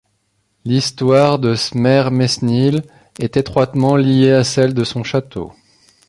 L'histoire de Smermesnil est étroitement liée à celle de son château.